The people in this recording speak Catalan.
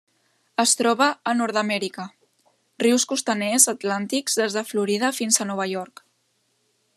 Es troba a Nord-amèrica: rius costaners atlàntics des de Florida fins a Nova York.